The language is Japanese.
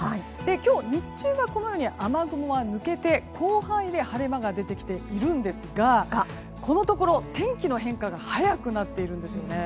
今日、日中はこのように雨雲が抜けて広範囲で晴れ間が出てきているんですがこのところ、天気の変化が早くなっているんですよね。